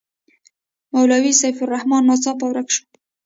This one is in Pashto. مولوي سیف الرحمن ناڅاپه ورک شو.